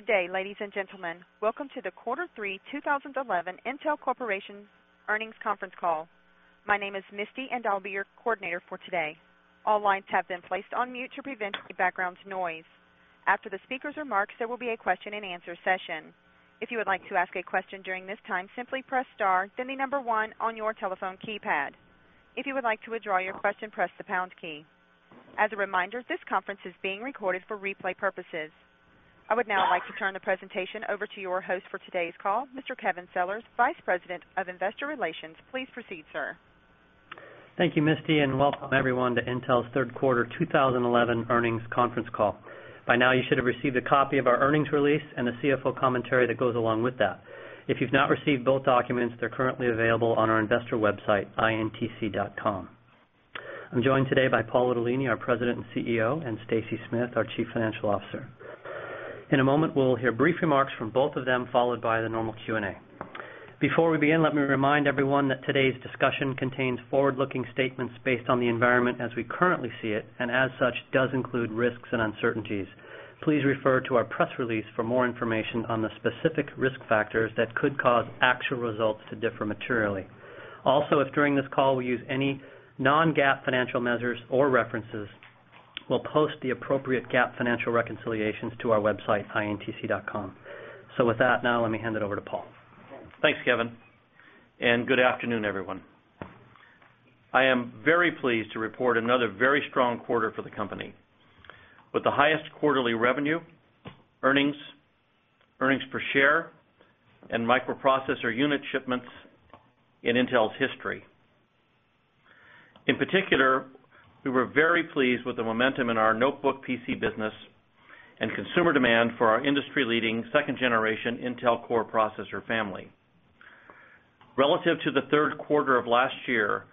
Good day, ladies and gentlemen. Welcome to the Quarter Three 2011 Intel Corporation Earnings Conference Call. My name is Misty, and I'll be your coordinator for today. All lines have been placed on mute to prevent background noise. After the speaker's remarks, there will be a question and answer session. If you would like to ask a question during this time, simply press star, then the number one on your telephone keypad. If you would like to withdraw your question, press the pound key. As a reminder, this conference is being recorded for replay purposes. I would now like to turn the presentation over to your host for today's call, Mr. Kevin Sellers, Vice President of Investor Relations. Please proceed, sir. Thank you, Misty, and welcome everyone to Intel's Third Quarter 2011 Earnings Conference Call. By now, you should have received a copy of our earnings release and the CFO commentary that goes along with that. If you've not received both documents, they're currently available on our investor website, intc.com. I'm joined today by Paul Otellini, our President and CEO, and Stacy Smith, our Chief Financial Officer. In a moment, we'll hear brief remarks from both of them, followed by the normal Q&A. Before we begin, let me remind everyone that today's discussion contains forward-looking statements based on the environment as we currently see it, and as such, does include risks and uncertainties. Please refer to our press release for more information on the specific risk factors that could cause actual results to differ materially. Also, if during this call we use any non-GAAP financial measures or references, we'll post the appropriate GAAP financial reconciliations to our website, intc.com. With that, now let me hand it over to Paul. Thanks, Kevin, and good afternoon, everyone. I am very pleased to report another very strong quarter for the company, with the highest quarterly revenue, earnings, earnings per share, and microprocessor unit shipments in Intel's history. In particular, we were very pleased with the momentum in our notebook PC business and consumer demand for our industry-leading second-generation Intel Core processor family. Relative to the third quarter of last year,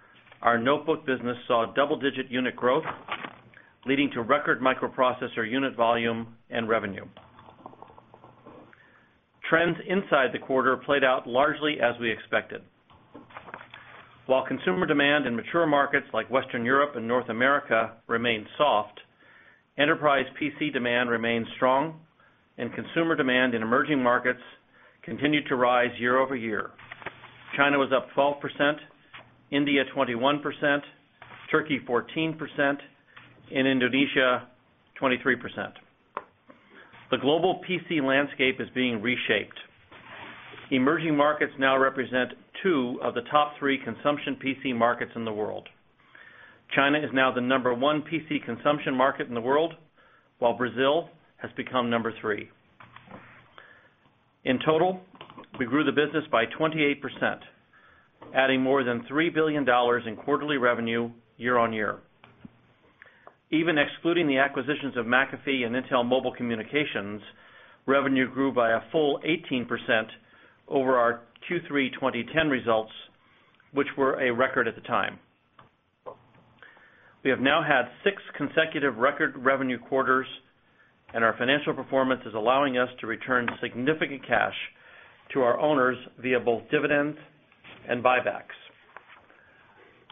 our notebook business saw double-digit unit growth, leading to record microprocessor unit volume and revenue. Trends inside the quarter played out largely as we expected. While consumer demand in mature markets like Western Europe and North America remained soft, enterprise PC demand remained strong, and consumer demand in emerging markets continued to rise year-over-year. China was up 12%, India 21%, Turkey 14%, and Indonesia 23%. The global PC landscape is being reshaped. Emerging markets now represent two of the top three consumption PC markets in the world. China is now the number one PC consumption market in the world, while Brazil has become number three. In total, we grew the business by 28%, adding more than $3 billion in quarterly revenue year-on-year. Even excluding the acquisitions of McAfee and Intel Mobile Communications, revenue grew by a full 18% over our Q3 2010 results, which were a record at the time. We have now had six consecutive record revenue quarters, and our financial performance is allowing us to return significant cash to our owners via both dividends and buybacks.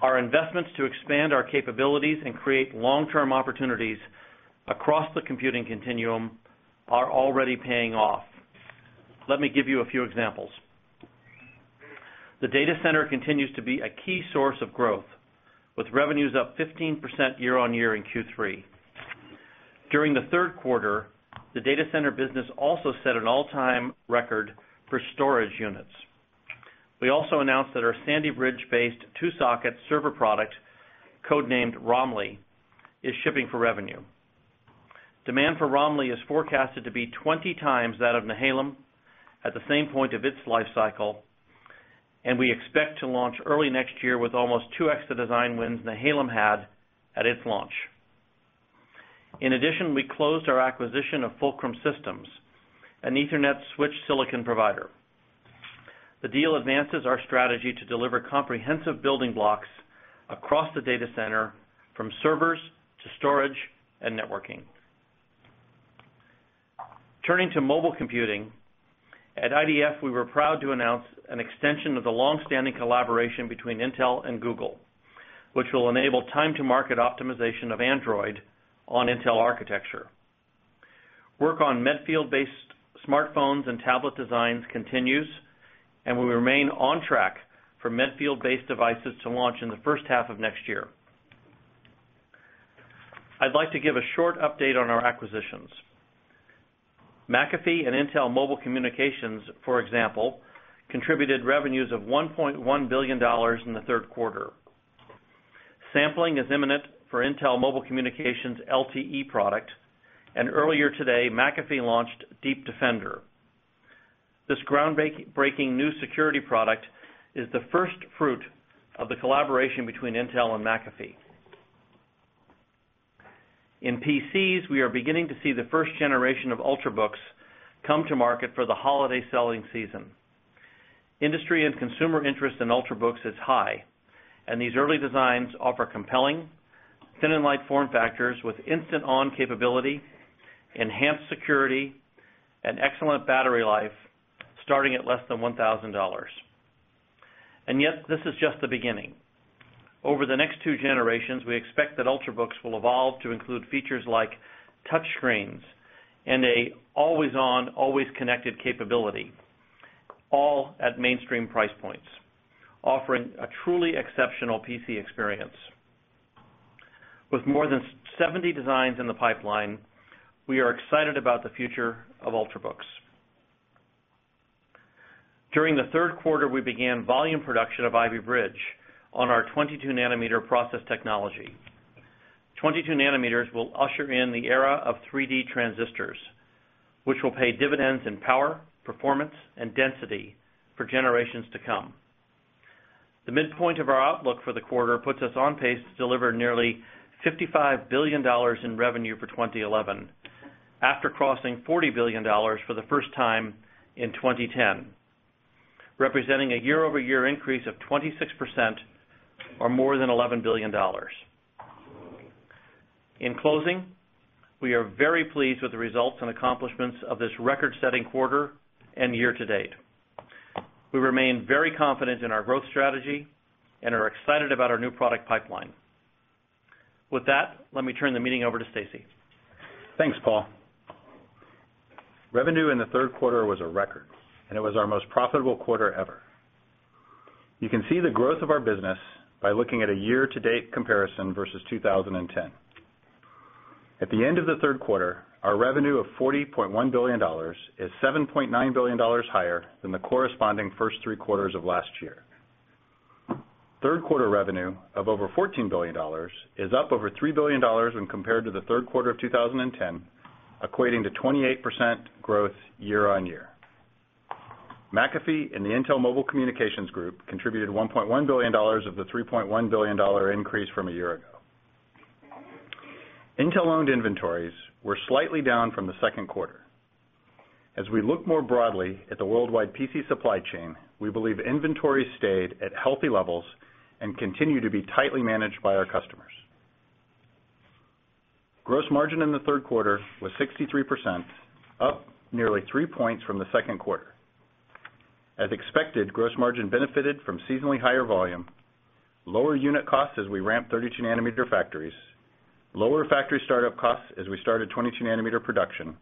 Our investments to expand our capabilities and create long-term opportunities across the computing continuum are already paying off. Let me give you a few examples. The data center continues to be a key source of growth, with revenues up 15% year-on-year in Q3. During the third quarter, the Data Center Business also set an all-time record for storage units. We also announced that our Sandy Bridge-based two-socket server product, codenamed Romley, is shipping for revenue. Demand for Romley is forecasted to be 20x that of Nehalem at the same point of its life cycle, and we expect to launch early next year with almost 2x the design wins Nehalem had at its launch. In addition, we closed our acquisition of Fulcrum Systems, an Ethernet switched silicon provider. The deal advances our strategy to deliver comprehensive building blocks across the Data Center, from servers to storage and networking. Turning to mobile computing, at IDF, we were proud to announce an extension of the long-standing collaboration between Intel and Google, which will enable time-to-market optimization of Android on Intel architecture. Work on Medfield-based smartphones and tablet designs continues, and we remain on track for Medfield-based devices to launch in the first half of next year. I'd like to give a short update on our acquisitions. McAfee and Intel Mobile Communications, for example, contributed revenues of $1.1 billion in the third quarter. Sampling is imminent for Intel Mobile Communications' LTE product, and earlier today, McAfee launched Deep Defender. This groundbreaking new security product is the first fruit of the collaboration between Intel and McAfee. In PCs, we are beginning to see the first generation of Ultrabooks come to market for the holiday selling season. Industry and consumer interest in Ultrabooks is high, and these early designs offer compelling, thin and light form factors with instant-on capability, enhanced security, and excellent battery life, starting at less than $1,000. Yet, this is just the beginning. Over the next two generations, we expect that Ultrabooks will evolve to include features like touch screens and an always-on, always-connected capability, all at mainstream price points, offering a truly exceptional PC experience. With more than 70 designs in the pipeline, we are excited about the future of Ultrabooks. During the third quarter, we began volume production of Ivy Bridge on our 22 nm process technology. 22 nm will usher in the era of 3-D transistors, which will pay dividends in power, performance, and density for generations to come. The midpoint of our outlook for the quarter puts us on pace to deliver nearly $55 billion in revenue for 2011, after crossing $40 billion for the first time in 2010, representing a year-over-year increase of 26% or more than $11 billion. In closing, we are very pleased with the results and accomplishments of this record-setting quarter and year to date. We remain very confident in our growth strategy and are excited about our new product pipeline. With that, let me turn the meeting over to Stacy. Thanks, Paul. Revenue in the third quarter was a record, and it was our most profitable quarter ever. You can see the growth of our business by looking at a year-to-date comparison versus 2010. At the end of the third quarter, our revenue of $40.1 billion is $7.9 billion higher than the corresponding first three quarters of last year. Third quarter revenue of over $14 billion is up over $3 billion when compared to the third quarter of 2010, equating to 28% growth year-on-year. McAfee and the Intel Mobile Communications Group contributed $1.1 billion of the $3.1 billion increase from a year ago. Intel-owned inventories were slightly down from the second quarter. As we look more broadly at the worldwide PC supply chain, we believe inventories stayed at healthy levels and continue to be tightly managed by our customers. Gross margin in the third quarter was 63%, up nearly three points from the second quarter. As expected, gross margin benefited from seasonally higher volume, lower unit costs as we ramped 32 nm factories, lower factory startup costs as we started 22 nm production,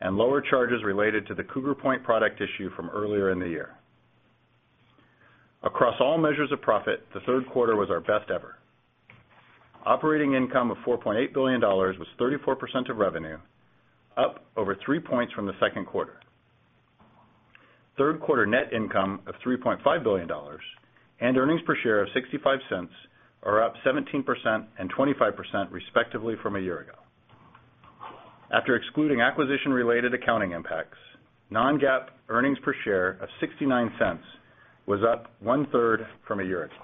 and lower charges related to the Cougar Point product issue from earlier in the year. Across all measures of profit, the third quarter was our best ever. Operating income of $4.8 billion was 34% of revenue, up over three points from the second quarter. Third quarter net income of $3.5 billion and earnings per share of $0.65 are up 17% and 25% respectively from a year ago. After excluding acquisition-related accounting impacts, non-GAAP earnings per share of $0.69 was up 1/3 from a year ago.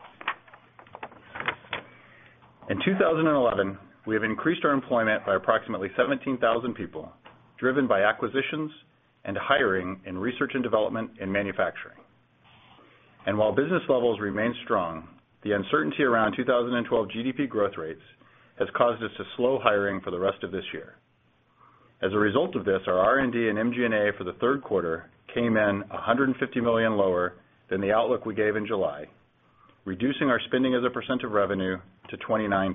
In 2011, we have increased our employment by approximately 17,000 people, driven by acquisitions and hiring in research and development in manufacturing. While business levels remain strong, the uncertainty around 2012 GDP growth rates has caused us to slow hiring for the rest of this year. As a result of this, our R&D and MG&A for the third quarter came in $150 million lower than the outlook we gave in July, reducing our spending as a percent of revenue to 29%.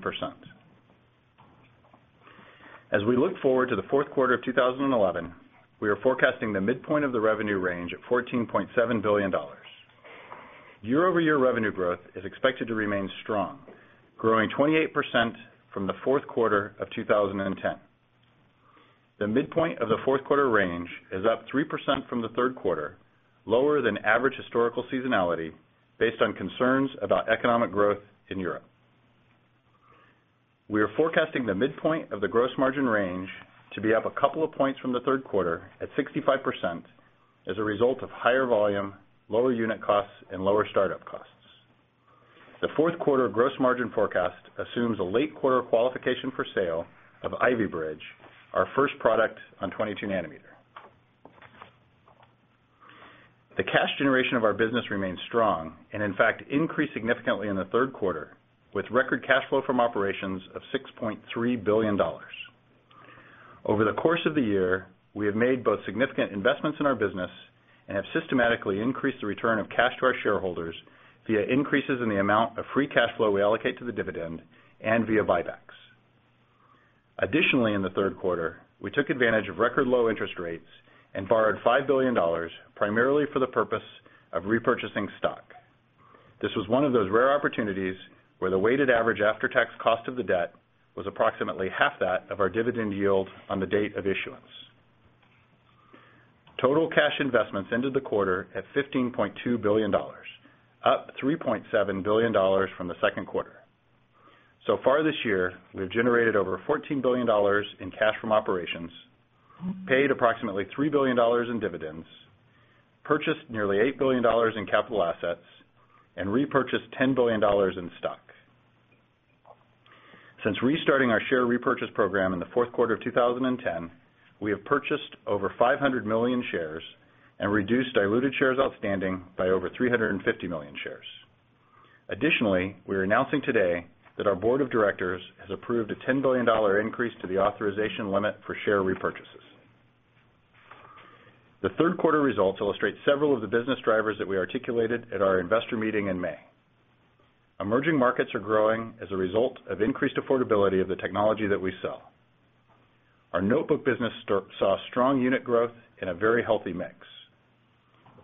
As we look forward to the fourth quarter of 2011, we are forecasting the midpoint of the revenue range at $14.7 billion. Year-over-year revenue growth is expected to remain strong, growing 28% from the fourth quarter of 2010. The midpoint of the fourth quarter range is up 3% from the third quarter, lower than average historical seasonality based on concerns about economic growth in Europe. We are forecasting the midpoint of the gross margin range to be up a couple of points from the third quarter at 65% as a result of higher volume, lower unit costs, and lower startup costs. The fourth quarter gross margin forecast assumes a late quarter qualification for sale of Ivy Bridge, our first product on 22 nm. The cash generation of our business remains strong and, in fact, increased significantly in the third quarter, with record cash flow from operations of $6.3 billion. Over the course of the year, we have made both significant investments in our business and have systematically increased the return of cash to our shareholders via increases in the amount of free cash flow we allocate to the dividend and via buybacks. Additionally, in the third quarter, we took advantage of record low interest rates and borrowed $5 billion primarily for the purpose of repurchasing stock. This was one of those rare opportunities where the weighted average after-tax cost of the debt was approximately half that of our dividend yield on the date of issuance. Total cash investments ended the quarter at $15.2 billion, up $3.7 billion from the second quarter. So far this year, we've generated over $14 billion in cash from operations, paid approximately $3 billion in dividends, purchased nearly $8 billion in capital assets, and repurchased $10 billion in stock. Since restarting our share repurchase program in the fourth quarter of 2010, we have purchased over 500 million shares and reduced diluted shares outstanding by over 350 million shares. Additionally, we are announcing today that our board of directors has approved a $10 billion increase to the authorization limit for share repurchases. The third quarter results illustrate several of the business drivers that we articulated at our investor meeting in May. Emerging markets are growing as a result of increased affordability of the technology that we sell. Our notebook business saw strong unit growth in a very healthy mix.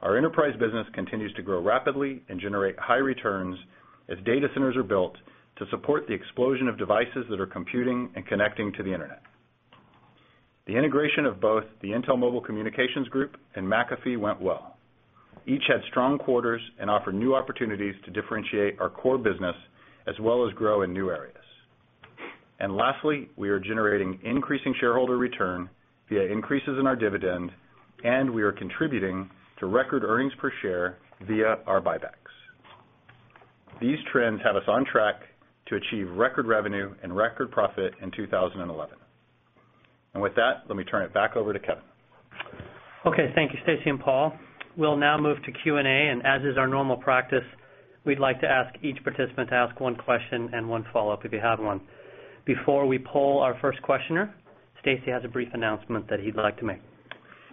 Our enterprise business continues to grow rapidly and generate high returns as data centers are built to support the explosion of devices that are computing and connecting to the Internet. The integration of both the Intel Mobile Communications Group and McAfee went well. Each had strong quarters and offered new opportunities to differentiate our core business as well as grow in new areas. Lastly, we are generating increasing shareholder return via increases in our dividend, and we are contributing to record earnings per share via our buybacks. These trends have us on track to achieve record revenue and record profit in 2011. Let me turn it back over to Kevin. Okay, thank you, Stacy and Paul. We'll now move to Q&A, and as is our normal practice, we'd like to ask each participant to ask one question and one follow-up if you have one. Before we poll our first questioner, Stacy has a brief announcement that he'd like to make.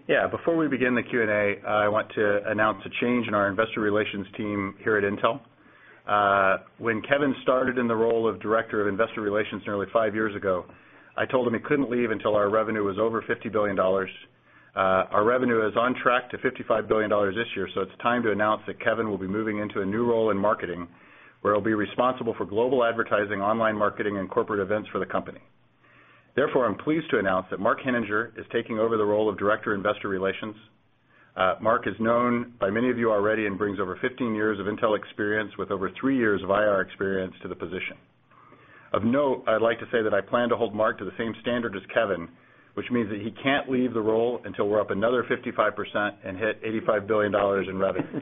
Yeah, before we begin the Q&A, I want to announce a change in our Investor Relations team here at Intel. When Kevin started in the role of Director of Investor Relations nearly five years ago, I told him he couldn't leave until our revenue was over $50 billion. Our revenue is on track to $55 billion this year, so it's time to announce that Kevin will be moving into a new role in Marketing, where he'll be responsible for global advertising, online marketing, and corporate events for the company. Therefore, I'm pleased to announce that Mark Henninger is taking over the role of Director of Investor Relations. Mark is known by many of you already and brings over 15 years of Intel experience with over three years of IR experience to the position. Of note, I'd like to say that I plan to hold Mark to the same standard as Kevin, which means that he can't leave the role until we're up another 55% and hit $85 billion in revenue.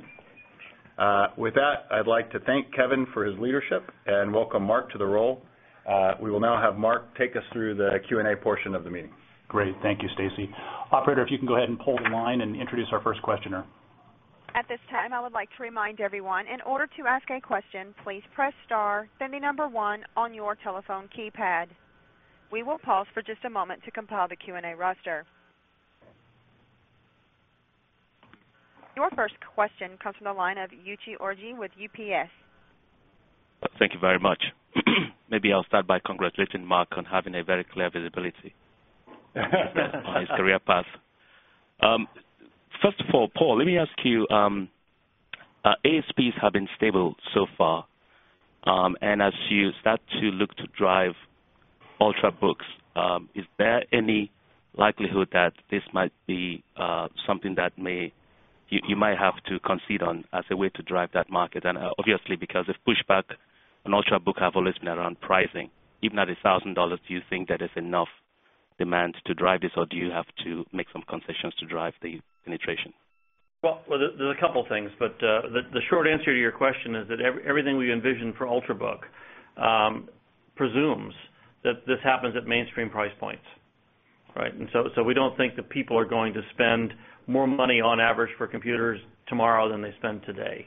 With that, I'd like to thank Kevin for his leadership and welcome Mark to the role. We will now have Mark take us through the Q&A portion of the meeting. Great, thank you, Stacy. Operator, if you can go ahead and pull the line and introduce our first questioner. At this time, I would like to remind everyone, in order to ask a question, please press star, then the number one on your telephone keypad. We will pause for just a moment to compile the Q&A roster. Your first question comes from the line of Uche Orji with UBS. Thank you very much. Maybe I'll start by congratulating Mark on having a very clear visibility on his career path. First of all, Paul, let me ask you, ASPs have been stable so far, and as you start to look to drive Ultrabooks, is there any likelihood that this might be something that you might have to concede on as a way to drive that market? Obviously, because pushback on Ultrabooks has always been around pricing. Even at $1,000, do you think that is enough demand to drive this, or do you have to make some concessions to drive the penetration? There are a couple of things, but the short answer to your question is that everything we envision for Ultrabook presumes that this happens at mainstream price points. We don't think that people are going to spend more money on average for computers tomorrow than they spend today,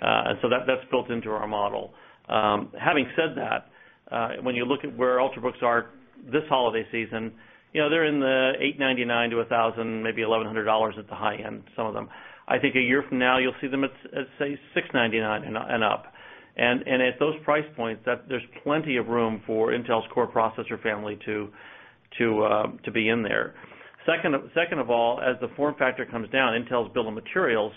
and that's built into our model. Having said that, when you look at where Ultrabooks are this holiday season, they're in the $899-$1,000, maybe $1,100 at the high end, some of them. I think a year from now, you'll see them at, say, $699 and up, and at those price points, there's plenty of room for Intel's core processor family to be in there. Second of all, as the form factor comes down, Intel's bill of materials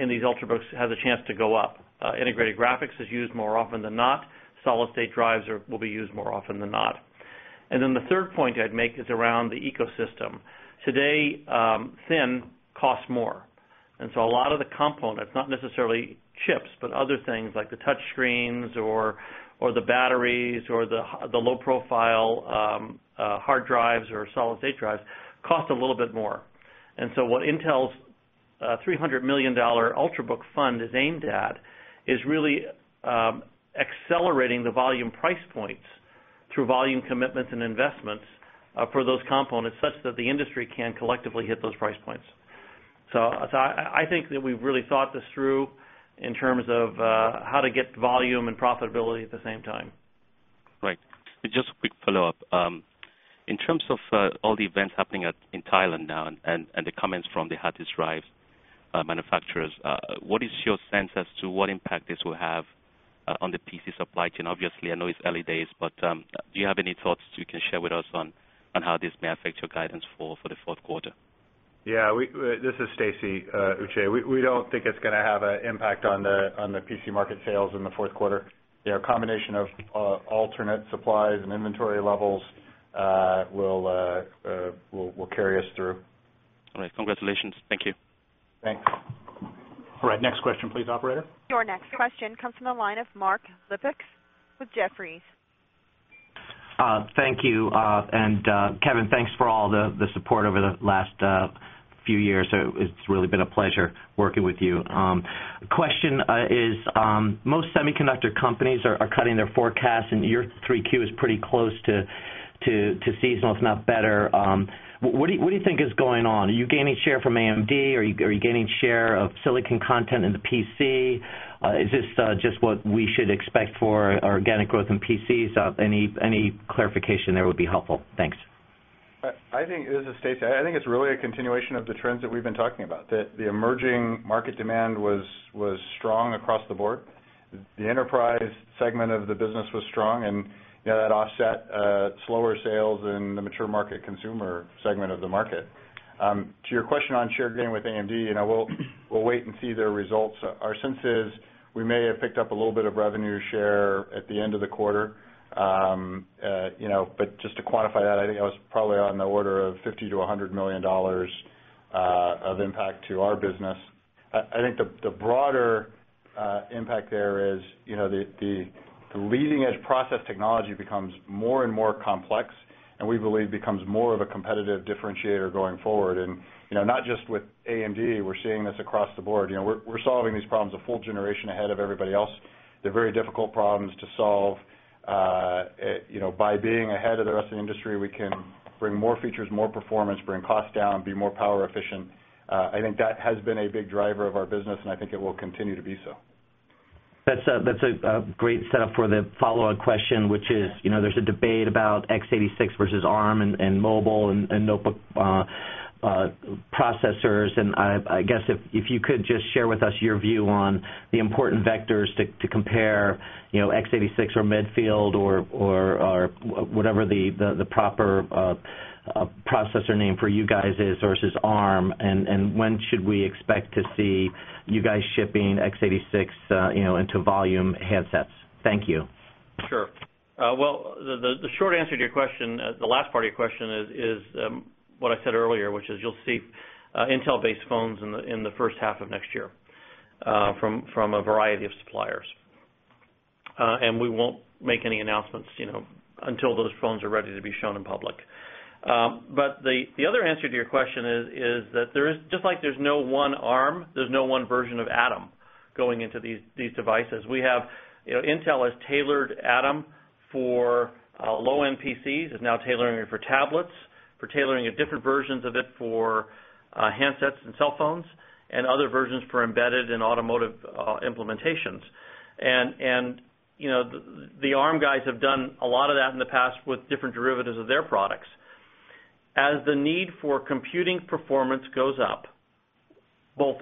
in these Ultrabooks has a chance to go up. Integrated graphics is used more often than not. Solid-state drives will be used more often than not. The third point I'd make is around the ecosystem. Today, thin costs more, and a lot of the components, not necessarily chips, but other things like the touch screens or the batteries or the low-profile hard drives or solid-state drives cost a little bit more. What Intel's $300 million UltraBook fund is aimed at is really accelerating the volume price points through volume commitments and investments for those components such that the industry can collectively hit those price points. I think that we've really thought this through in terms of how to get volume and profitability at the same time. Right. Just a quick follow-up. In terms of all the events happening in Thailand now and the comments from the hard drive manufacturers, what is your sense as to what impact this will have on the PC supply chain? Obviously, I know it's early days, but do you have any thoughts you can share with us on how this may affect your guidance for the fourth quarter? Yeah, this is Stacy, Uche. We don't think it's going to have an impact on the PC market sales in the fourth quarter. A combination of alternate supplies and inventory levels will carry us through. All right, congratulations. Thank you. Thanks. All right, next question, please, Operator. Your next question comes from the line of Mark Lipacis with Jefferies. Thank you, and Kevin, thanks for all the support over the last few years. It's really been a pleasure working with you. The question is, most semiconductor companies are cutting their forecasts, and your Q3 is pretty close to seasonal, if not better. What do you think is going on? Are you gaining share from AMD, or are you gaining share of silicon content in the PC? Is this just what we should expect for organic growth in PCs? Any clarification there would be helpful. Thanks. I think this is Stacy. I think it's really a continuation of the trends that we've been talking about. The emerging market demand was strong across the board. The enterprise segment of the business was strong, and that offset slower sales in the mature market consumer segment of the market. To your question on share gain with AMD, we'll wait and see their results. Our sense is we may have picked up a little bit of revenue share at the end of the quarter, but just to quantify that, I think that was probably on the order of $50 million-$100 million of impact to our business. I think the broader impact there is the leading-edge process technology becomes more and more complex, and we believe it becomes more of a competitive differentiator going forward. Not just with AMD, we're seeing this across the board. We're solving these problems a full generation ahead of everybody else. They're very difficult problems to solve. By being ahead of the rest of the industry, we can bring more features, more performance, bring costs down, be more power efficient. I think that has been a big driver of our business, and I think it will continue to be so. That's a great setup for the follow-up question, which is, you know, there's a debate about x86 versus ARM in mobile and notebook processors. I guess if you could just share with us your view on the important vectors to compare x86 or Medfield or whatever the proper processor name for you guys is versus ARM, and when should we expect to see you guys shipping x86 into volume handsets? Thank you. Sure. The short answer to your question, the last part of your question, is what I said earlier, which is you'll see Intel-based phones in the first half of next year from a variety of suppliers. We won't make any announcements until those phones are ready to be shown in public. The other answer to your question is that just like there's no one ARM, there's no one version of Atom going into these devices. Intel has tailored Atom for low-end PCs. It's now tailoring it for tablets, tailoring different versions of it for handsets and cell phones, and other versions for embedded and automotive implementations. The ARM guys have done a lot of that in the past with different derivatives of their products. As the need for computing performance goes up, both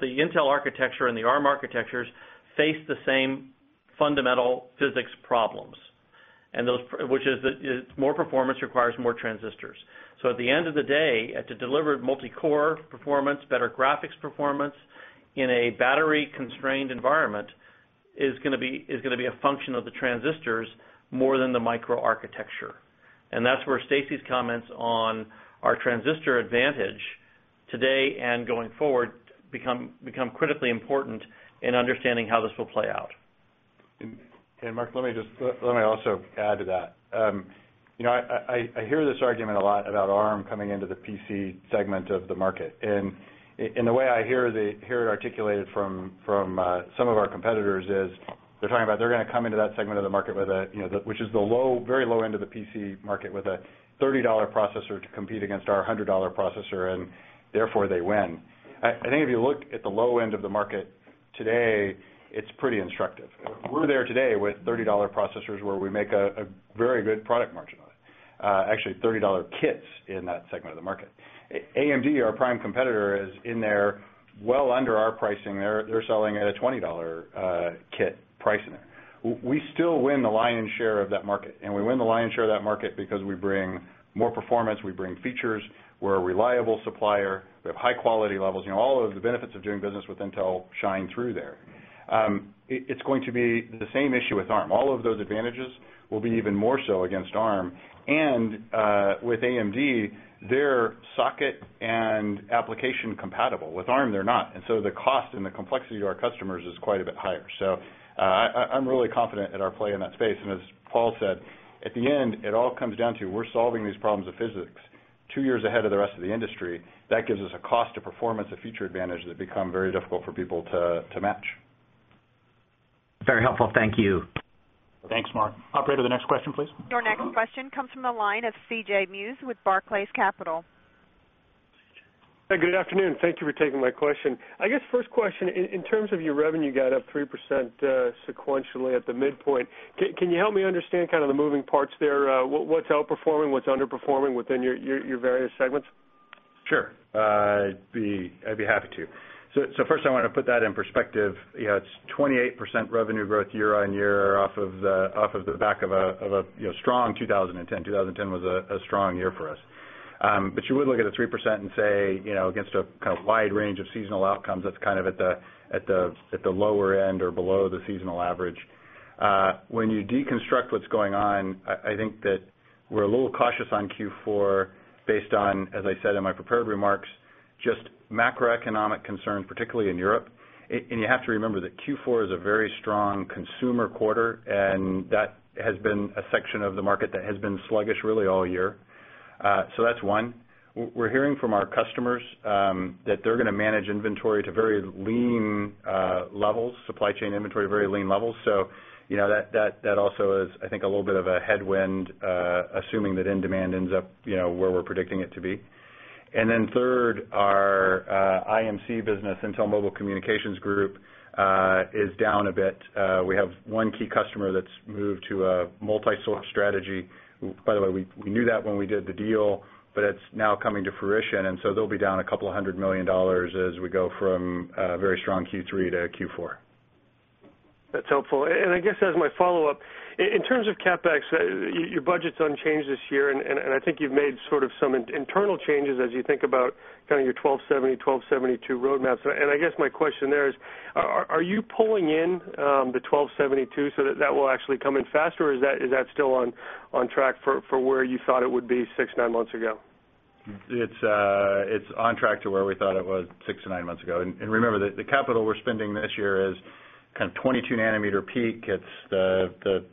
the Intel architecture and the ARM architectures face the same fundamental physics problems, which is that more performance requires more transistors. At the end of the day, to deliver multi-core performance, better graphics performance in a battery-constrained environment is going to be a function of the transistors more than the microarchitecture. That's where Stacy's comments on our transistor advantage today and going forward become critically important in understanding how this will play out. Mark, let me also add to that. I hear this argument a lot about ARM coming into the PC segment of the market. The way I hear it articulated from some of our competitors is they're talking about coming into that segment of the market, which is the very low end of the PC market with a $30 processor to compete against our $100 processor, and therefore they win. I think if you look at the low end of the market today, it's pretty instructive. We're there today with $30 processors where we make a very good product margin with, actually, $30 kits in that segment of the market. AMD, our prime competitor, is in there well under our pricing. They're selling at a $20 kit price in there. We still win the lion's share of that market, and we win the lion's share of that market because we bring more performance, we bring features, we're a reliable supplier, we have high quality levels. All of the benefits of doing business with Intel shine through there. It's going to be the same issue with ARM. All of those advantages will be even more so against ARM. With AMD, they're socket and application compatible. With ARM, they're not. The cost and the complexity to our customers is quite a bit higher. I'm really confident in our play in that space. As Paul said, at the end, it all comes down to we're solving these problems of physics. Two years ahead of the rest of the industry, that gives us a cost to performance of feature advantage that becomes very difficult for people to match. Very helpful. Thank you. Thanks, Mark. Operator, the next question, please. Your next question comes from the line of CJ Muse with Barclays Capital. Good afternoon. Thank you for taking my question. I guess first question, in terms of your revenue got up 3% sequentially at the midpoint. Can you help me understand kind of the moving parts there? What's outperforming, what's underperforming within your various segments? Sure. I'd be happy to. First, I want to put that in perspective. It's 28% revenue growth year-on-year off of the back of a strong 2010. 2010 was a strong year for us. You would look at a 3% and say against a kind of wide range of seasonal outcomes, that's kind of at the lower end or below the seasonal average. When you deconstruct what's going on, I think that we're a little cautious on Q4 based on, as I said in my prepared remarks, just macroeconomic concerns, particularly in Europe. You have to remember that Q4 is a very strong consumer quarter, and that has been a section of the market that has been sluggish really all year. That's one. We're hearing from our customers that they're going to manage inventory to very lean levels, supply chain inventory to very lean levels. That also is, I think, a little bit of a headwind, assuming that in demand ends up where we're predicting it to be. Then third, our IMC business, Intel Mobile Communications Group, is down a bit. We have one key customer that's moved to a multi-source strategy. By the way, we knew that when we did the deal, but it's now coming to fruition. They'll be down a couple of hundred million dollars as we go from very strong Q3 to Q4. That's helpful. I guess as my follow-up, in terms of CapEx, your budget's unchanged this year, and I think you've made sort of some internal changes as you think about kind of your 1270, 1272 roadmaps. I guess my question there is, are you pulling in the 1272 so that that will actually come in faster, or is that still on track for where you thought it would be six, nine months ago? It's on track to where we thought it was six to nine months ago. Remember, the capital we're spending this year is kind of 22 nm peak. It's the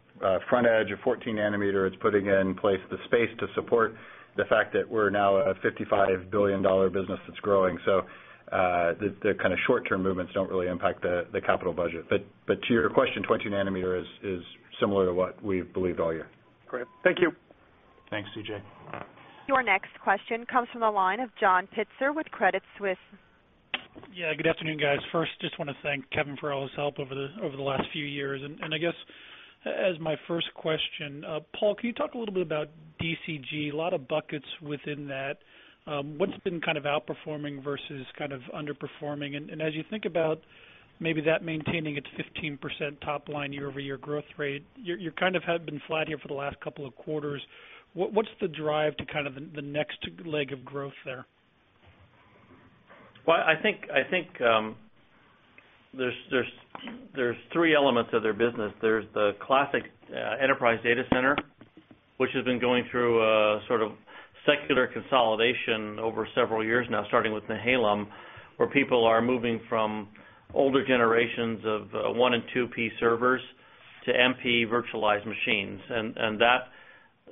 front edge of 14 nm. It's putting in place the space to support the fact that we're now a $55 billion business that's growing. The kind of short-term movements don't really impact the capital budget. To your question, 22 nm is similar to what we've believed all year. Great, thank you. Thanks, CJ. Your next question comes from the line of John Pitzer with Credit Suisse. Yeah, good afternoon, guys. First, I just want to thank Kevin for all his help over the last few years. As my first question, Paul, can you talk a little bit about DCG? A lot of buckets within that. What's been kind of outperforming versus kind of underperforming? As you think about maybe that maintaining its 15% top line year-over-year growth rate, you kind of have been flat here for the last couple of quarters. What's the drive to kind of the next leg of growth there? I think there's three elements of their business. There's the classic enterprise data center, which has been going through a sort of secular consolidation over several years now, starting with Nehalem, where people are moving from older generations of 1 and 2P servers to MP virtualized machines.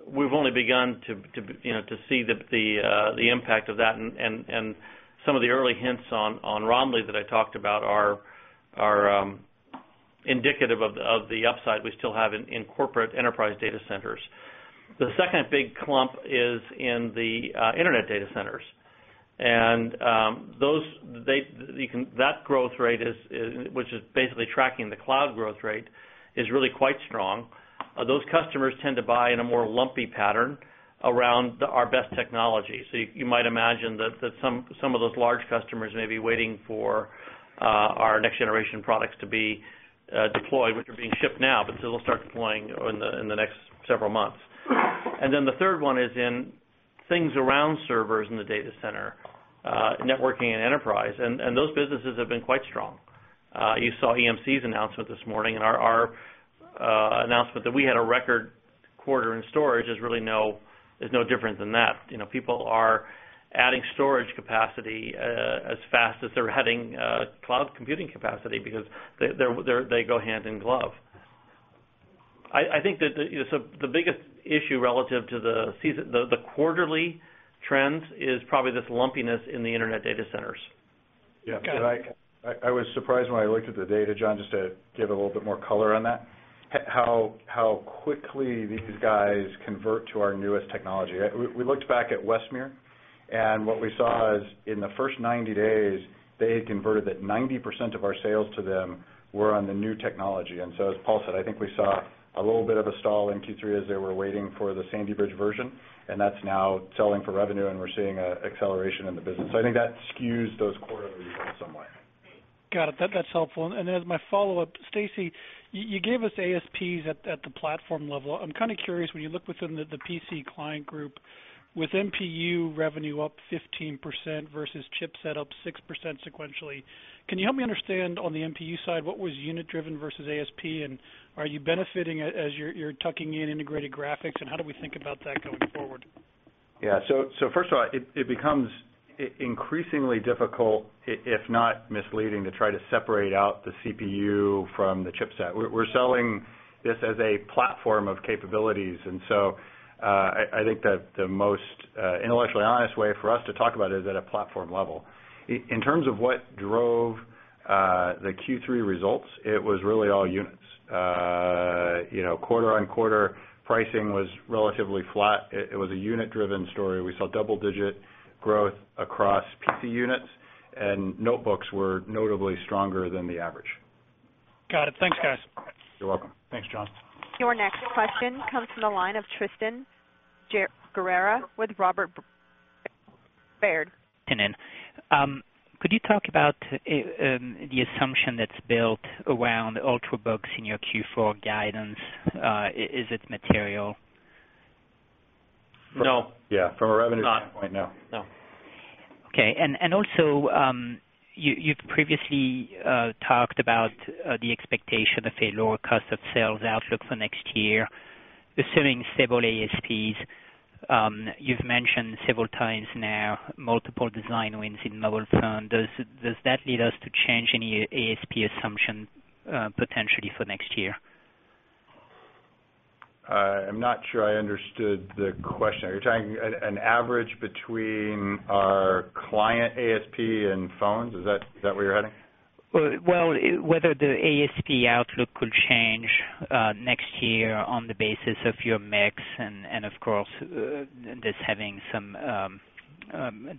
We've only begun to see the impact of that. Some of the early hints on Romley that I talked about are indicative of the upside we still have in corporate enterprise data centers. The second big clump is in the internet data centers. That growth rate, which is basically tracking the cloud growth rate, is really quite strong. Those customers tend to buy in a more lumpy pattern around our best technology. You might imagine that some of those large customers may be waiting for our next-generation products to be deployed, which are being shipped now, so they'll start deploying in the next several months. The third one is in things around servers in the data center, networking and enterprise. Those businesses have been quite strong. You saw EMC's announcement this morning, and our announcement that we had a record quarter in storage is really no different than that. People are adding storage capacity as fast as they're adding cloud computing capacity because they go hand in glove. I think that the biggest issue relative to the quarterly trends is probably this lumpiness in the internet data centers. Yeah, I was surprised when I looked at the data, John, just to give a little bit more color on that, how quickly these guys convert to our newest technology. We looked back at Westmere, and what we saw is in the first 90 days, they had converted that 90% of our sales to them were on the new technology. As Paul said, I think we saw a little bit of a stall in Q3 as they were waiting for the Sandy Bridge version, and that's now selling for revenue, and we're seeing an acceleration in the business. I think that skews those quarterly somewhat. Got it. That's helpful. As my follow-up, Stacy, you gave us ASPs at the platform level. I'm kind of curious when you look within the PC Client Group, with MPU revenue up 15% versus chipset up 6% sequentially. Can you help me understand on the MPU side, what was unit-driven versus ASP, and are you benefiting as you're tucking in integrated graphics, and how do we think about that going forward? First of all, it becomes increasingly difficult, if not misleading, to try to separate out the CPU from the chipset. We're selling this as a platform of capabilities, and I think that the most intellectually honest way for us to talk about it is at a platform level. In terms of what drove the Q3 results, it was really all units. Quarter-on-quarter pricing was relatively flat. It was a unit-driven story. We saw double-digit growth across PC units, and notebooks were notably stronger than the average. Got it. Thanks, guys. You're welcome. Thanks, John. Your next question comes from the line of Tristan Gerra with Robert Baird. Could you talk about the assumption that's built around Ultrabook in your Q4 guidance? Is it material? No, yeah, from a revenue standpoint, no. Okay. You've previously talked about the expectation of a lower cost of sales outlook for next year, assuming stable ASPs. You've mentioned several times now multiple design wins in mobile phones. Does that lead us to change any ASP assumption potentially for next year? I'm not sure I understood the question. You're talking an average between our client ASP and phones? Is that where you're heading? Whether the ASP outlook could change next year on the basis of your mix, and, of course, this having some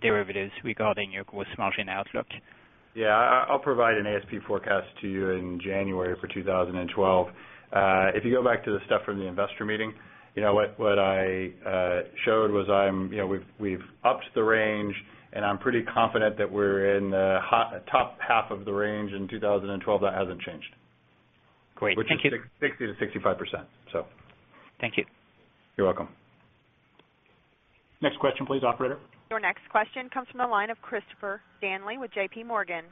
derivatives regarding your gross margin outlook. I'll provide an ASP forecast to you in January for 2012. If you go back to the stuff from the investor meeting, you know what I showed was we've upped the range, and I'm pretty confident that we're in the top half of the range in 2012. That hasn't changed. Great, thank you. 60%-65%. Thank you. You're welcome. Next question, please, Operator. Your next question comes from the line of Christopher Danely with JP Morgan.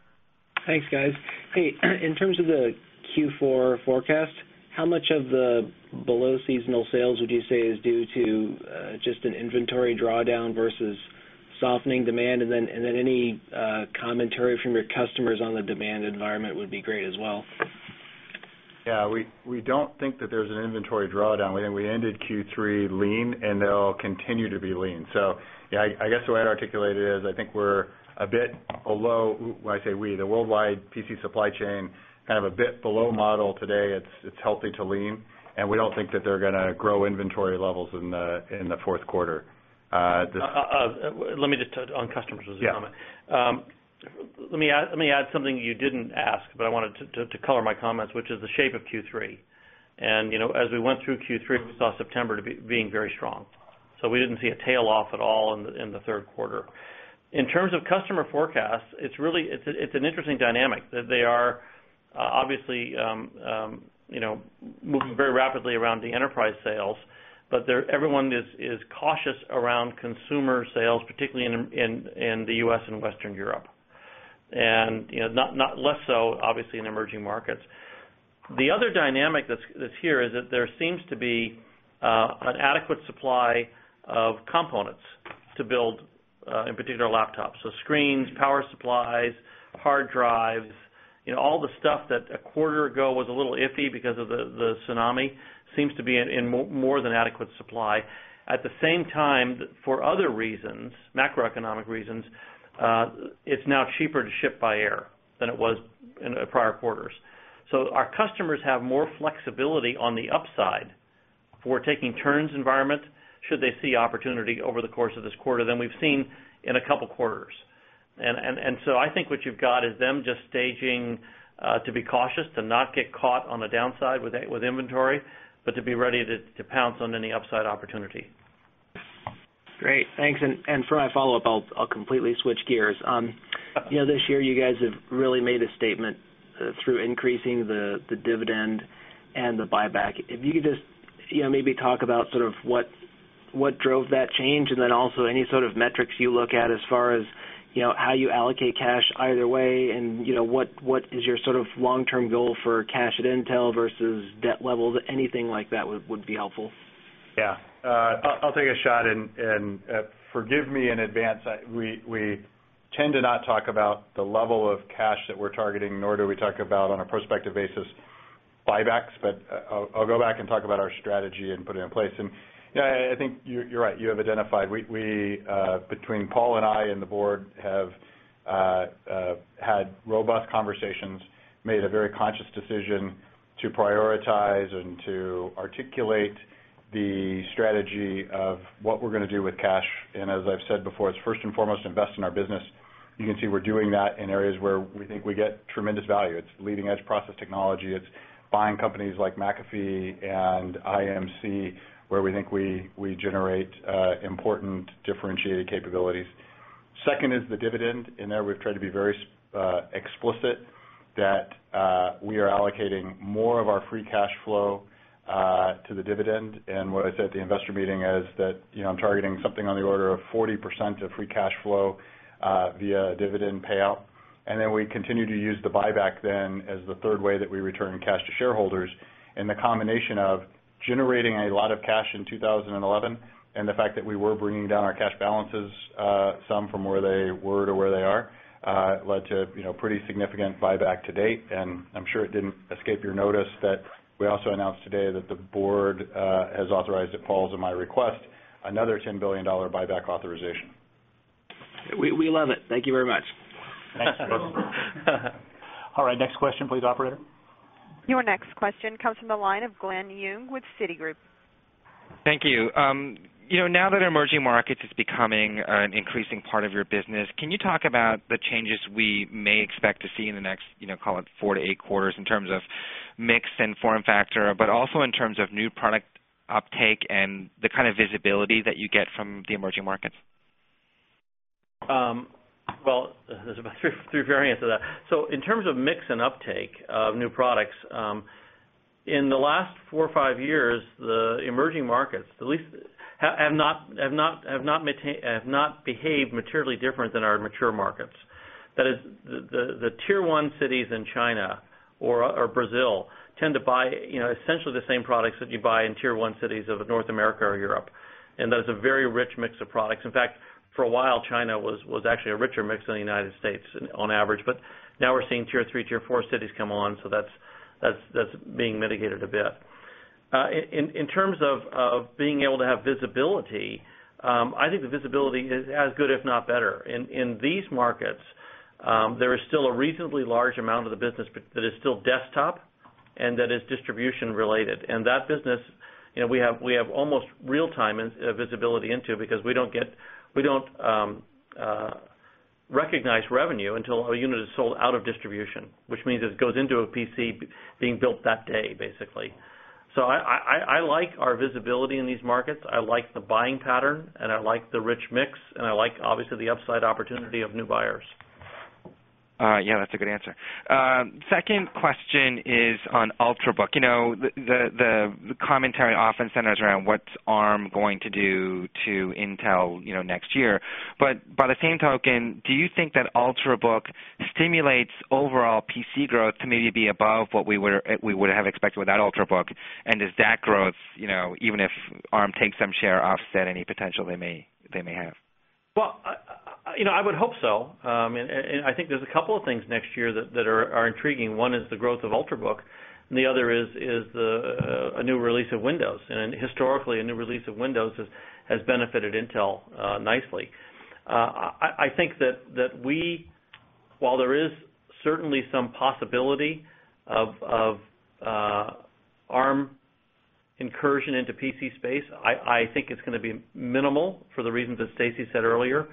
Thanks, guys. In terms of the Q4 forecast, how much of the below-seasonal sales would you say is due to just an inventory drawdown versus softening demand? Any commentary from your customers on the demand environment would be great as well. Yeah, we don't think that there's an inventory drawdown. We think we ended Q3 lean, and they'll continue to be lean. I guess the way I'd articulate it is I think we're a bit below, when I say we, the worldwide PC supply chain, kind of a bit below model today. It's healthy to lean, and we don't think that they're going to grow inventory levels in the fourth quarter. Let me just touch on customers as a comment. Let me add something you didn't ask, but I wanted to color my comments, which is the shape of Q3. As we went through Q3, we saw September being very strong. We didn't see a tail off at all in the third quarter. In terms of customer forecasts, it's really, it's an interesting dynamic. They are obviously moving very rapidly around the enterprise sales, but everyone is cautious around consumer sales, particularly in the U.S. and Western Europe, and not less so, obviously, in emerging markets. The other dynamic that's here is that there seems to be an adequate supply of components to build, in particular, laptops. Screens, power supplies, hard drives, all the stuff that a quarter ago was a little iffy because of the tsunami seems to be in more than adequate supply. At the same time, for other reasons, macroeconomic reasons, it's now cheaper to ship by air than it was in prior quarters. Our customers have more flexibility on the upside for taking turns environment should they see opportunity over the course of this quarter than we've seen in a couple of quarters. I think what you've got is them just staging to be cautious, to not get caught on the downside with inventory, but to be ready to pounce on any upside opportunity. Great, thanks. For my follow-up, I'll completely switch gears. You know, this year you guys have really made a statement through increasing the dividend and the buyback. If you could just maybe talk about sort of what drove that change, and also any sort of metrics you look at as far as how you allocate cash either way, and what is your sort of long-term goal for cash at Intel versus debt levels, anything like that would be helpful. Yeah, I'll take a shot and forgive me in advance. We tend to not talk about the level of cash that we're targeting, nor do we talk about on a prospective basis buybacks. I'll go back and talk about our strategy and put it in place. I think you're right. You have identified, we, between Paul and I and the board, have had robust conversations, made a very conscious decision to prioritize and to articulate the strategy of what we're going to do with cash. As I've said before, it's first and foremost to invest in our business. You can see we're doing that in areas where we think we get tremendous value. It's leading-edge process technology. It's buying companies like McAfee and IMC, where we think we generate important differentiated capabilities. Second is the dividend. In there, we've tried to be very explicit that we are allocating more of our free cash flow to the dividend. What I said at the investor meeting is that I'm targeting something on the order of 40% of free cash flow via dividend payout. We continue to use the buyback then as the third way that we return cash to shareholders. The combination of generating a lot of cash in 2011 and the fact that we were bringing down our cash balances, some from where they were to where they are, led to pretty significant buyback to date. I'm sure it didn't escape your notice that we also announced today that the board has authorized at my request, another $10 billion buyback authorization. We love it. Thank you very much. Thanks, folks. All right, next question, please, Operator. Your next question comes from the line of Glen Young with Citigroup. Thank you. Now that emerging markets are becoming an increasing part of your business, can you talk about the changes we may expect to see in the next, call it four to eight quarters in terms of mix and form factor, but also in terms of new product uptake and the kind of visibility that you get from the emerging markets? There are about three variants of that. In terms of mix and uptake of new products, in the last four or five years, the emerging markets have not behaved materially different than our mature markets. That is, the tier one cities in China or Brazil tend to buy essentially the same products that you buy in tier one cities of North America or Europe. That is a very rich mix of products. In fact, for a while, China was actually a richer mix than the United States on average. Now we're seeing tier three, tier four cities come on. That's being mitigated a bit. In terms of being able to have visibility, I think the visibility is as good, if not better. In these markets, there is still a reasonably large amount of the business that is still desktop and that is distribution related. That business, you know, we have almost real-time visibility into because we don't recognize revenue until a unit is sold out of distribution, which means it goes into a PC being built that day, basically. I like our visibility in these markets. I like the buying pattern, and I like the rich mix, and I like, obviously, the upside opportunity of new buyers. Yeah, that's a good answer. Second question is on Ultrabook. The commentary often centers around what's ARM going to do to Intel next year. By the same token, do you think that Ultrabook stimulates overall PC growth to maybe be above what we would have expected without Ultrabook? Does that growth, even if ARM takes some share, offset any potential they may have? I would hope so. I think there's a couple of things next year that are intriguing. One is the growth of Ultrabook, and the other is a new release of Windows. Historically, a new release of Windows has benefited Intel nicely. I think that we, while there is certainly some possibility of ARM incursion into PC space, I think it's going to be minimal for the reasons that Stacy said earlier.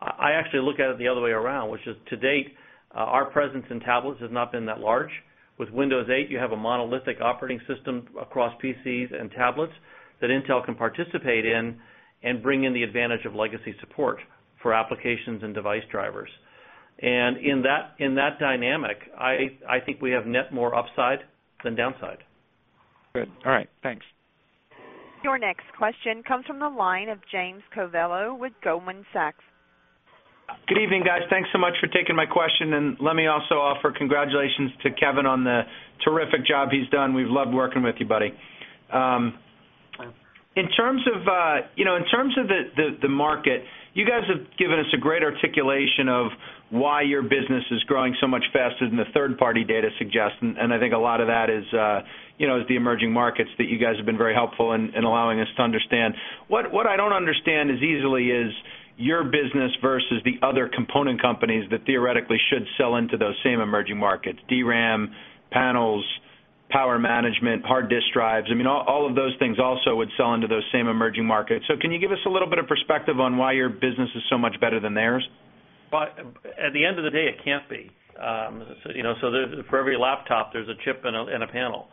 I actually look at it the other way around, which is to date, our presence in tablets has not been that large. With Windows 8, you have a monolithic operating system across PCs and tablets that Intel can participate in and bring in the advantage of legacy support for applications and device drivers. In that dynamic, I think we have net more upside than downside. Good. All right, thanks. Your next question comes from the line of Jim Covello with Goldman Sachs. Good evening, guys. Thanks so much for taking my question. Let me also offer congratulations to Kevin on the terrific job he's done. We've loved working with you, buddy. In terms of the market, you guys have given us a great articulation of why your business is growing so much faster than the third-party data suggests. I think a lot of that is the emerging markets that you guys have been very helpful in allowing us to understand. What I don't understand as easily is your business versus the other component companies that theoretically should sell into those same emerging markets: DRAM, panels, power management, hard disk drives. I mean, all of those things also would sell into those same emerging markets. Can you give us a little bit of perspective on why your business is so much better than theirs? At the end of the day, it can't be. For every laptop, there's a chip and a panel.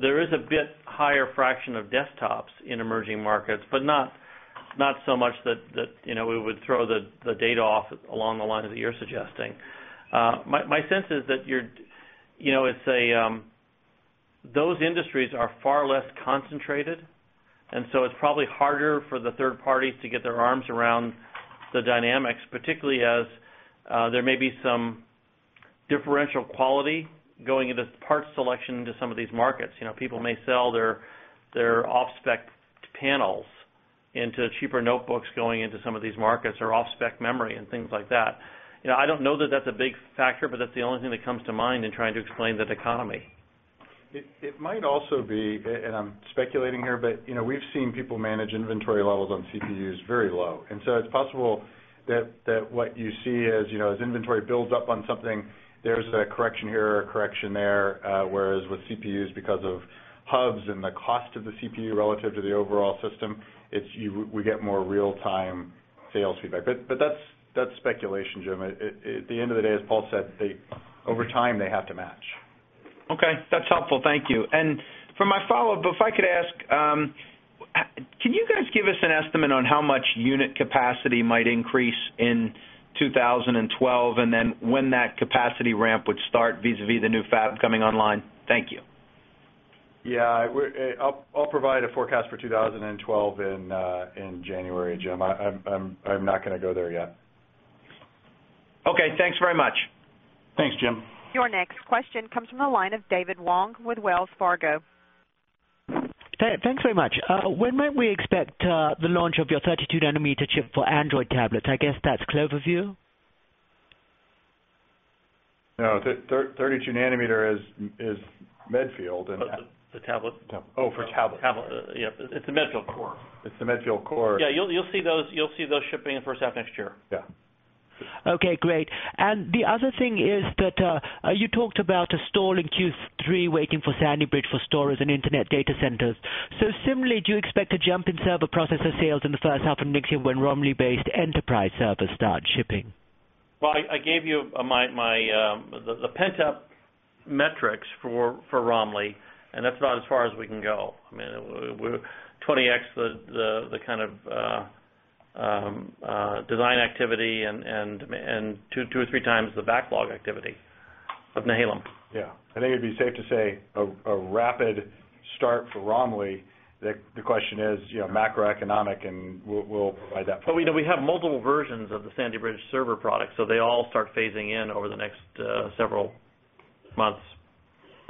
There is a bit higher fraction of desktops in emerging markets, but not so much that we would throw the data off along the lines that you're suggesting. My sense is that those industries are far less concentrated, and so it's probably harder for the third parties to get their arms around the dynamics, particularly as there may be some differential quality going into parts selection into some of these markets. People may sell their off-spec panels into cheaper notebooks going into some of these markets or off-spec memory and things like that. I don't know that that's a big factor, but that's the only thing that comes to mind in trying to explain that economy. It might also be, and I'm speculating here, but we've seen people manage inventory levels on CPUs very low. It's possible that what you see is, you know, as inventory builds up on something, there's a correction here or a correction there. Whereas with CPUs, because of hubs and the cost of the CPU relative to the overall system, we get more real-time sales feedback. That's speculation, Jim. At the end of the day, as Paul said, they Over time, they have to match. Okay, that's helpful. Thank you. For my follow-up, if I could ask, can you guys give us an estimate on how much unit capacity might increase in 2012 and when that capacity ramp would start vis-à-vis the new fab coming online? Thank you. I'll provide a forecast for 2012 in January, Jim. I'm not going to go there yet. Okay, thanks very much. Thanks, Jim. Your next question comes from the line of David Wong with Wells Fargo. Thanks very much. When might we expect the launch of your 32-nm chip for Android tablet? I guess that's CloverView. No, 32-nm is Medfield. The tablet? Oh, for tablet. Tablet, yep. It's the Medfield core. It's the Medfield core. Yeah, you'll see those shipping in the first half next year. Yeah. Okay, great. The other thing is that you talked about a stall in Q3 waiting for Sandy Bridge for storage and internet data centers. Similarly, do you expect a jump in server processor sales in the first half of next year when Romley-based enterprise servers start shipping? I gave you the pent-up metrics for Romley, and that's about as far as we can go. I mean, we're 20x the kind of design activity and two or three times the backlog activity of Nehalem. Yeah, I think it'd be safe to say a rapid start for Romley. The question is macroeconomic, and we'll provide that. We have mobile versions of the Sandy Bridge server product, so they all start phasing in over the next several months.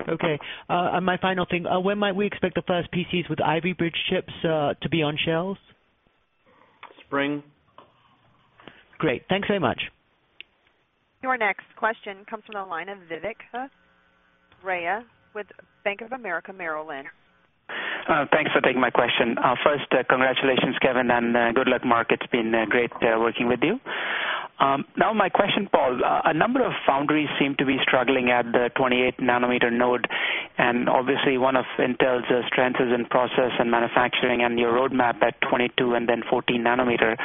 Okay. My final thing, when might we expect the first PCs with Ivy Bridge chips to be on shelves? Spring. Great, thanks very much. Your next question comes from the line of Vivek Arya with Bank of America Securities. Thanks for taking my question. First, congratulations, Kevin, and good luck, Mark. It's been great working with you. Now, my question, Paul, a number of foundries seem to be struggling at the 28 nm node, and obviously, one of Intel's strengths is in process and manufacturing and your roadmap at 22 nm and then 14 nm.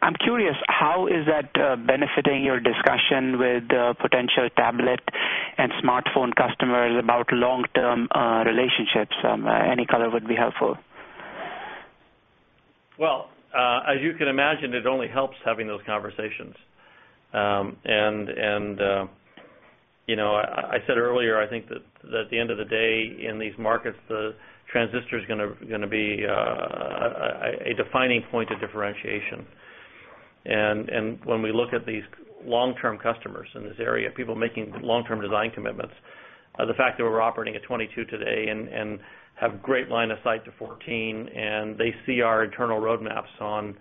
I'm curious, how is that benefiting your discussion with potential tablet and smartphone customers about long-term relationships? Any color would be helpful. As you can imagine, it only helps having those conversations. I said earlier, I think that at the end of the day, in these markets, the transistor is going to be a defining point of differentiation. When we look at these long-term customers in this area, people making long-term design commitments, the fact that we're operating at 22 nm today and have a great line of sight to 14 nm, and they see our internal roadmaps on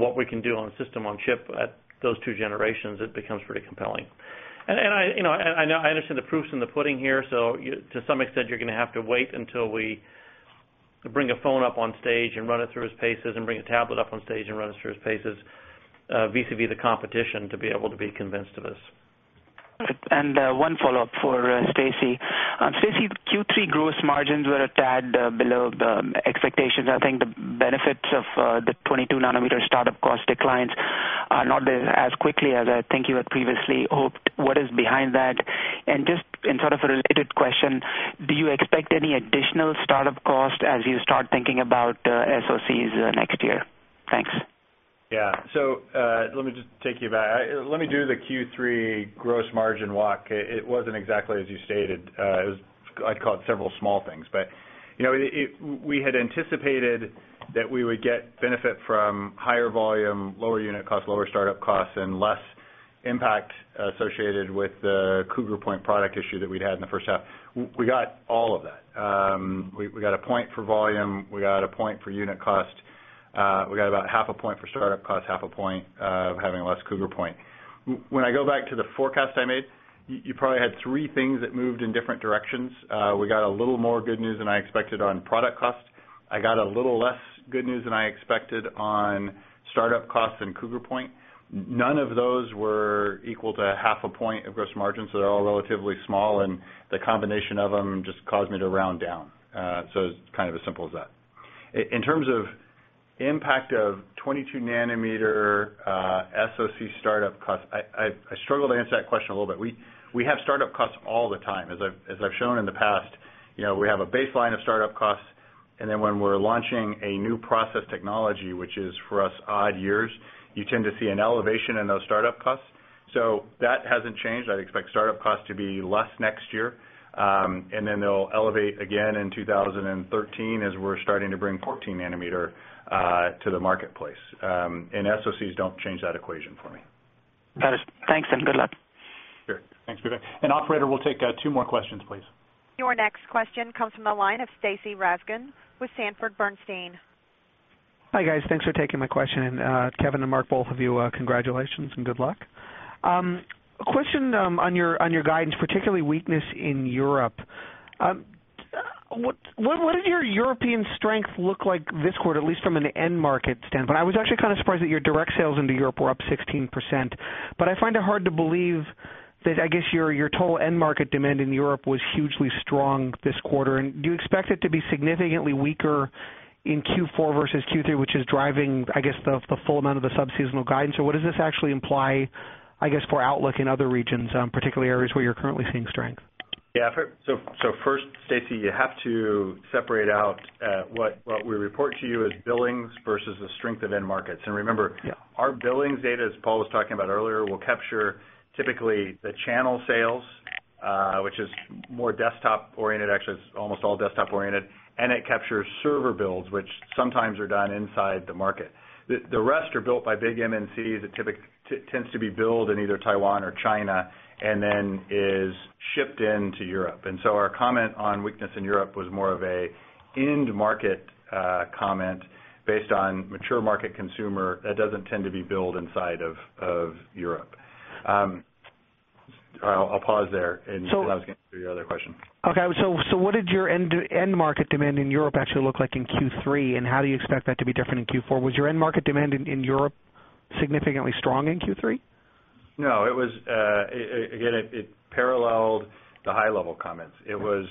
what we can do on system on Chip at those two generations, it becomes pretty compelling. I understand the proof's in the pudding here, so to some extent, you're going to have to wait until we bring a phone up on stage and run it through its paces and bring a tablet up on stage and run it through its paces, vis-à-vis the competition, to be able to be convinced of this. One follow-up for Stacy. Stacy, Q3 gross margins were a tad below expectations. I think the benefits of the 22 nm startup cost declines are not there as quickly as I think you had previously hoped. What is behind that? In sort of a related question, do you expect any additional startup cost as you start thinking about SoCs next year? Thanks. Let me just take you back. Let me do the Q3 gross margin walk. It wasn't exactly as you stated. I'd call it several small things, but we had anticipated that we would get benefit from higher volume, lower unit cost, lower startup costs, and less impact associated with the Cougar Point product issue that we'd had in the first half. We got all of that. We got a point for volume. We got a point for unit cost. We got about 0.5 a point for startup cost, 0.5 a point of having less Cougar Point. When I go back to the forecast I made, you probably had three things that moved in different directions. We got a little more good news than I expected on product cost. I got a little less good news than I expected on startup costs and Cougar Point. None of those were equal to half a point of gross margin, so they're all relatively small, and the combination of them just caused me to round down. It's kind of as simple as that. In terms of impact of 22 nm SoC startup costs, I struggled to answer that question a little bit. We have startup costs all the time. As I've shown in the past, we have a baseline of startup costs, and then when we're launching a new process technology, which is for us odd years, you tend to see an elevation in those startup costs. That hasn't changed. I'd expect startup costs to be less next year, and then they'll elevate again in 2013 as we're starting to bring 14 nm to the marketplace. SoCs don't change that equation for me. Thanks and good luck. Thanks, Vivek. Operator, we'll take two more questions, please. Your next question comes from the line of Stacy Rasgon with Stanford Bernstein. Hi guys, thanks for taking my question. Kevin and Mark, both of you, congratulations and good luck. A question on your guidance, particularly weakness in Europe. What did your European strength look like this quarter, at least from an end market standpoint? I was actually kind of surprised that your direct sales into Europe were up 16%. I find it hard to believe that your total end market demand in Europe was hugely strong this quarter. Do you expect it to be significantly weaker in Q4 versus Q3, which is driving the full amount of the sub-seasonal guidance? What does this actually imply for outlook in other regions, particularly areas where you're currently seeing strength? Yeah, so first, Stacy, you have to separate out what we report to you as billings versus the strength of end markets. Remember, our billings data, as Paul was talking about earlier, will capture typically the channel sales, which is more desktop-oriented. Actually, it's almost all desktop-oriented. It captures server builds, which sometimes are done inside the market. The rest are built by big MNCs that tend to be billed in either Taiwan or China and then are shipped into Europe. Our comment on weakness in Europe was more of an end market comment based on mature market consumer that doesn't tend to be billed inside of Europe. I'll pause there and I was going to answer your other question. Okay, what did your end market demand in Europe actually look like in Q3? How do you expect that to be different in Q4? Was your end market demand in Europe significantly strong in Q3? No, it was, again, it paralleled the high-level comments. It was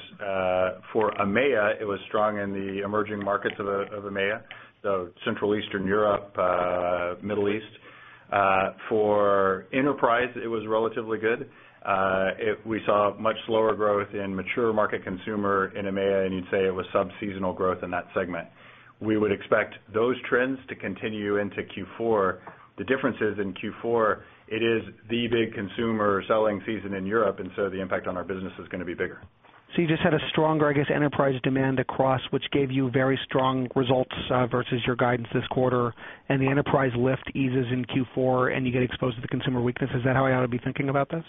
for EMEA, it was strong in the emerging markets of EMEA, so Central Eastern Europe, Middle East. For enterprise, it was relatively good. We saw much slower growth in mature market consumer in EMEA, and you'd say it was sub-seasonal growth in that segment. We would expect those trends to continue into Q4. The difference is in Q4, it is the big consumer selling season in Europe, and the impact on our business is going to be bigger. You just had a stronger, I guess, enterprise demand across, which gave you very strong results versus your guidance this quarter. The enterprise lift eases in Q4, and you get exposed to the consumer weakness. Is that how I ought to be thinking about this?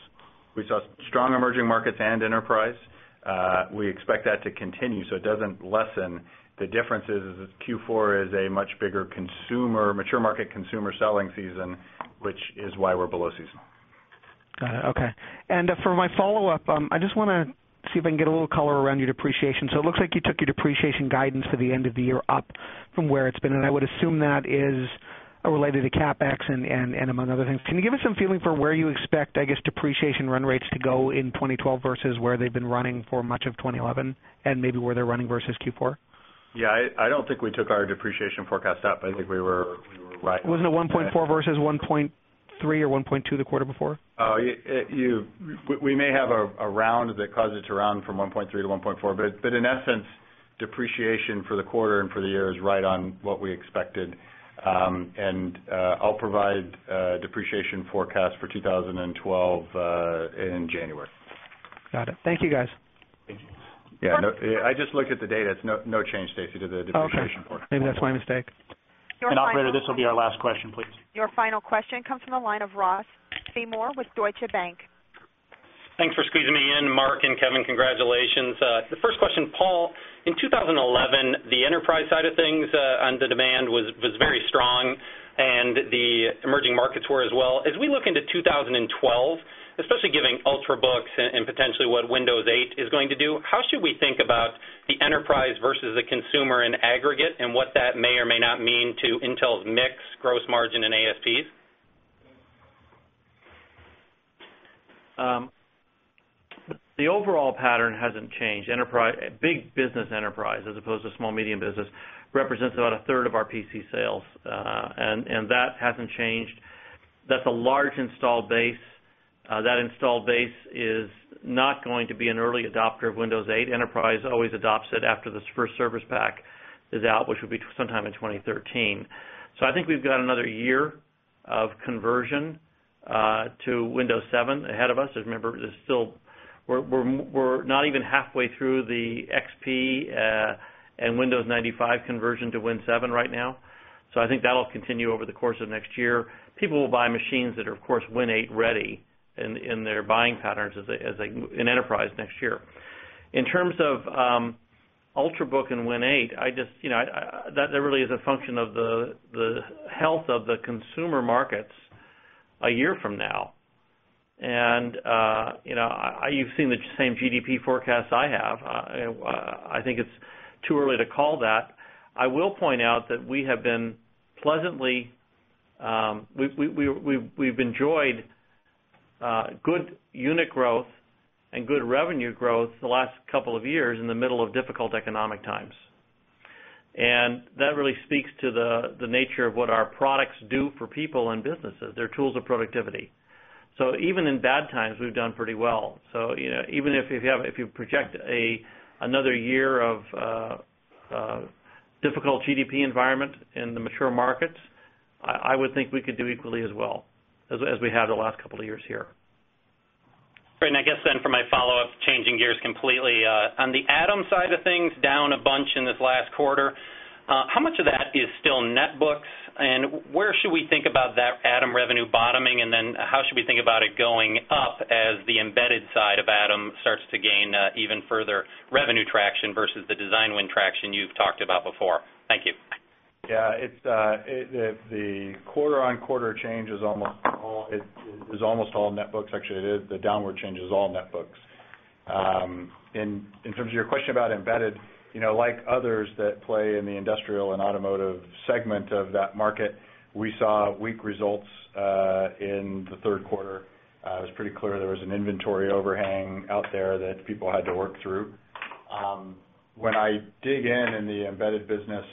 We saw strong emerging markets and enterprise. We expect that to continue, so it doesn't lessen. The difference is Q4 is a much bigger consumer, mature market consumer selling season, which is why we're below season. Got it, okay. For my follow-up, I just want to see if I can get a little color around your depreciation. It looks like you took your depreciation guidance for the end of the year up from where it's been. I would assume that is related to CapEx and among other things. Can you give us a feeling for where you expect, I guess, depreciation run rates to go in 2012 versus where they've been running for much of 2011 and maybe where they're running versus Q4? Yeah, I don't think we took our depreciation forecast up. I think we were right. Wasn't it $1.4 billion versus $1.3 billion or $1.2 billion the quarter before? We may have a round that caused it to round from $1.3 billion to $1.4 billion, but in essence, depreciation for the quarter and for the year is right on what we expected. I'll provide a depreciation forecast for 2012 in January. Got it. Thank you, guys. Thank you. Yeah, I just looked at the data. It's no change, Stacy, to the depreciation forecast. Maybe that's my mistake. Operator, this will be our last question, please. Your final question comes from the line of Ross Seymore with Deutsche Bank. Thanks for squeezing me in, Mark and Kevin. Congratulations. The first question, Paul, in 2011, the enterprise side of things on the demand was very strong, and the emerging markets were as well. As we look into 2012, especially giving UltraBooks and potentially what Windows 8 is going to do, how should we think about the enterprise versus the consumer in aggregate and what that may or may not mean to Intel's mix, gross margin, and ASPs? The overall pattern hasn't changed. Big business enterprise, as opposed to small medium business, represents about a third of our PC sales, and that hasn't changed. That's a large installed base. That installed base is not going to be an early adopter of Windows 8. Enterprise always adopts it after the first service pack is out, which would be sometime in 2013. I think we've got another year of conversion to Windows 7 ahead of us. Remember, we're not even halfway through the XP and Windows 95 conversion to Win 7 right now. I think that'll continue over the course of next year. People will buy machines that are, of course, Win 8 ready in their buying patterns as an enterprise next year. In terms of UltraBook and Win 8, that really is a function of the health of the consumer markets a year from now. You've seen the same GDP forecast I have. I think it's too early to call that. I will point out that we have been pleasantly, we've enjoyed good unit growth and good revenue growth the last couple of years in the middle of difficult economic times. That really speaks to the nature of what our products do for people and businesses. They're tools of productivity. Even in bad times, we've done pretty well. Even if you project another year of difficult GDP environment in the mature markets, I would think we could do equally as well as we have the last couple of years here. Right, I guess for my follow-up, changing gears completely, on the Atom side of things, down a bunch in this last quarter, how much of that is still Netbooks? Where should we think about that Atom revenue bottoming? How should we think about it going up as the embedded side of Atom starts to gain even further revenue traction versus the design win traction you've talked about before? Thank you. Yeah, the quarter-on-quarter change is almost all netbooks. Actually, the downward change is all netbooks. In terms of your question about embedded, like others that play in the industrial and automotive segment of that market, we saw weak results in the third quarter. It was pretty clear there was an inventory overhang out there that people had to work through. When I dig in in the embedded business,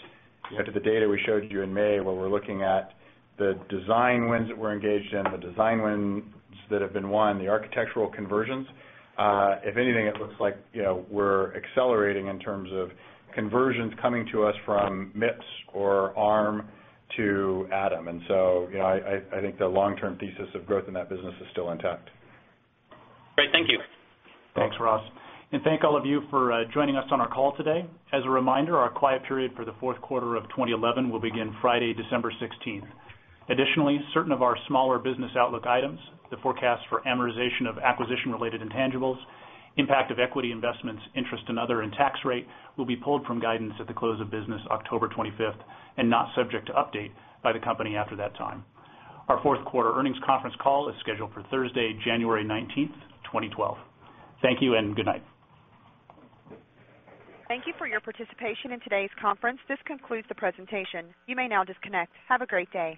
to the data we showed you in May, where we're looking at the design wins that we're engaged in, the design wins that have been won, the architectural conversions, if anything, it looks like we're accelerating in terms of conversions coming to us from MIPS or ARM to Atom. I think the long-term thesis of growth in that business is still intact. Great, thank you. Thanks, Ross. Thank all of you for joining us on our call today. As a reminder, our quiet period for the fourth quarter of 2011 will begin Friday, December 16th. Additionally, certain of our smaller business outlook items, the forecast for amortization of acquisition-related intangibles, impact of equity investments, interest, and other, and tax rate will be pulled from guidance at the close of business, October 25th, and not subject to update by the company after that time. Our Fourth Quarter Earnings Conference Call is scheduled for Thursday, January 19th, 2012. Thank you and good night. Thank you for your participation in today's conference. This concludes the presentation. You may now disconnect. Have a great day.